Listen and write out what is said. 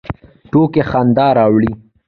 ټوکې خندا راوړي